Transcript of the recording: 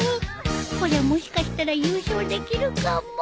こりゃもしかしたら優勝できるかも！